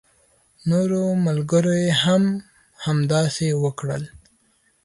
نورو ملګرو يې هم همداسې وکړل.